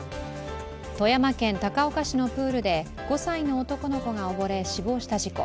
富山県高岡市のプールで５歳の男の子が溺れ死亡した事故。